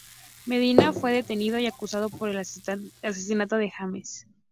Medina fue detenido y acusado por el asesinato de James.